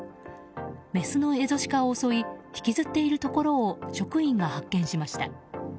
メスのエゾシカを襲い引きずっているところを職員が発見しました。